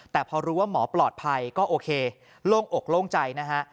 แต่พอรู้ว่าหมอปลอดภัยก็โอเคโล่งอกโล่งใจนะฮะ